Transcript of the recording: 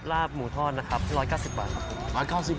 ลาบหมูทอดนะครับ๑๙๐บาทครับผม